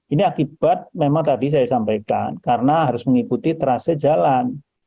ini akibat memang tadi saya sampaikan karena harus mengikuti trase jalan